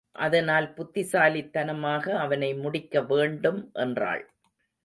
அதனால் புத்திசாலித்தனமாக அவனை முடிக்க வேண்டும் என்றாள்.